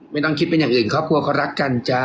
ไม่ต้องทดคิดเป็นอย่างอื่นเขารักกันจ๊ะ